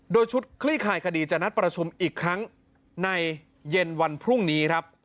โดยชุดคลี่คลายคดีจะนัดประชุมอีกครั้งในเย็นวันพรุ่งนี้ครับ